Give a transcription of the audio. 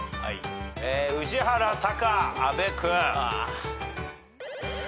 宇治原タカ阿部君。